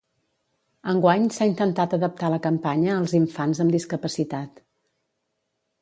Enguany s'ha intentat adaptar la campanya als infants amb discapacitat.